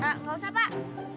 gak usah pak